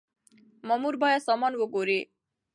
مامور بايد سامان وګوري.